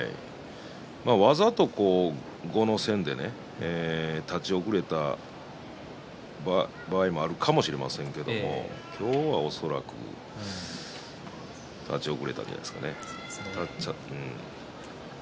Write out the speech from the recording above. わざと、後の先で立ち遅れた場合もあるかもしれませんけども今日も恐らく立ち遅れたんじゃないでしょうかね。